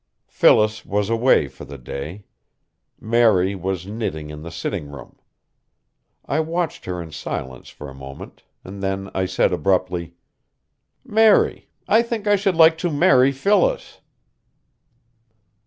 Phyllis was away for the day; Mary was knitting in the sitting room. I watched her in silence for a moment, and then I said abruptly: "Mary, I think I should like to marry Phyllis."